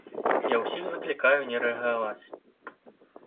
Я ўсіх заклікаю не рэагаваць.